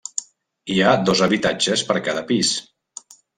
Hi ha dos habitatges per cada pis.